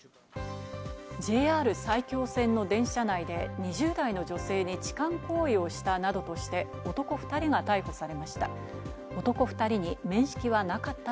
ＪＲ埼京線の電車内で２０代の女性に痴漢行為をしたなどとして、男２人が逮捕されました。